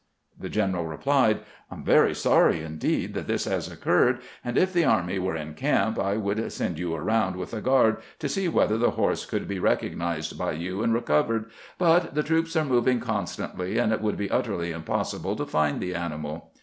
The general replied :" I 'm very sorry indeed that this has occurred, and if the army were in camp I would send you around with a guard to see whether the horse could be recognized by you and recovered ; but the troops are moving constantly, and it would be utterly impossible to find the animal."